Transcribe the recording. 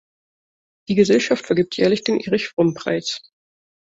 Die Gesellschaft vergibt jährlich den Erich-Fromm-Preis.